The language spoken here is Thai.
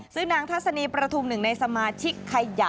ซึ่งนางทัศนีประทุมหนึ่งในสมาชิกขยะ